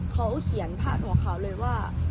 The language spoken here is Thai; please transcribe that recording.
เขาเขียนพาดหัวข่าวเลยว่า